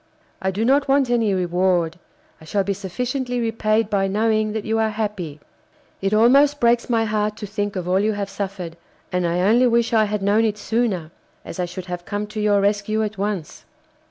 I do not want any reward. I shall be sufficiently repaid by knowing that you are happy. It almost breaks my heart to think of all you have suffered, and I only wish I had known it sooner, as I should have come to your rescue at once.